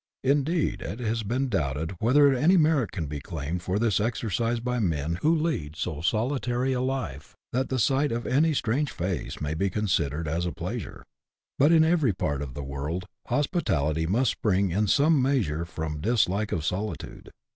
Indeed it has been doubted whether any merit can be claimed for its exercise by men who lead so solitary a life that the sight of any strange face may be consi dered as a pleasure. But in every part of the world hospitality must spring in some measure from a dislike of solitude.